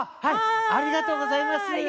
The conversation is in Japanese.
ありがとうございます。